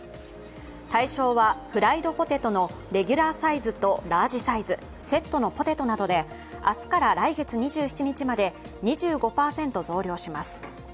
対象はフライドポテトのレギュラーサイズとラージサイズセットのポテトなどで、明日から来月２７日まで２５％増量します。